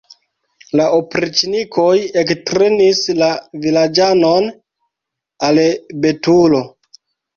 La opriĉnikoj ektrenis la vilaĝanon al betulo.